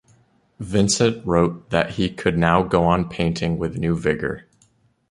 Vincent wrote that he could now "go on painting with new vigour".